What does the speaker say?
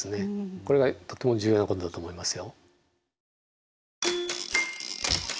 これがとっても重要なことだと思いますよ。